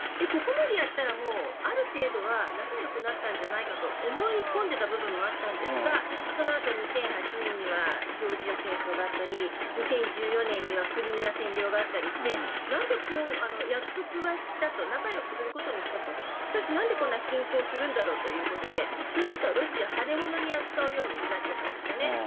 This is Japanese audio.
ここまでやったらもう、ある程度は仲よくなったんじゃないかと思い込んでた部分があったんですが、そのあと２００８年にはジョージア戦争があったり、２０１４年にはクリミア占領があったりして、なんで、約束はしたと、仲よくすることにしたと、しかしなんでこんな侵攻するんだろうということで、そのあとはロシア、はれ物に扱うようになっちゃったんですね。